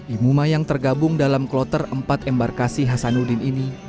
imuma yang tergabung dalam kloter empat embarkasi hasanuddin ini